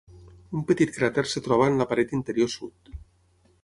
Un petit cràter es troba en la paret interior sud.